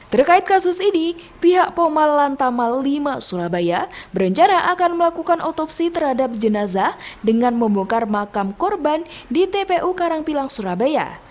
terkait kasus ini pihak poma lantamal lima surabaya berencana akan melakukan otopsi terhadap jenazah dengan membongkar makam korban di tpu karangpilang surabaya